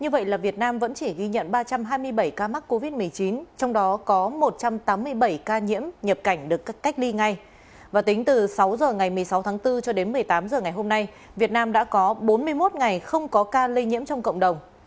và tính từ sáu h ngày một mươi sáu tháng bốn cho đến một mươi tám h ngày hôm nay việt nam đã có bốn mươi một ngày không có ca lây nhiễm trong cộng đồng